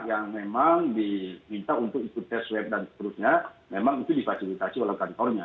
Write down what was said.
yang memang diminta untuk ikut tes swab dan seterusnya memang itu difasilitasi oleh kantornya